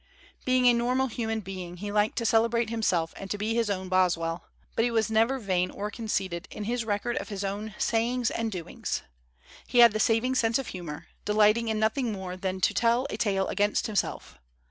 Being a normal human being he liked to celebrate himself and to be his own Boswell; but he was never vain or conceited in his record of his own sayings and doings. He had the saving sense of humor, delighting in nothing more than to tell a tale against him self.